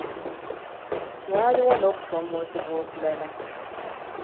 Waaliwo n’okusoomoozebwa okulala.